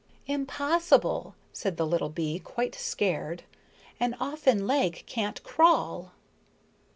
"Impossible," said the little bee, quite scared, "an offen leg can't crawl."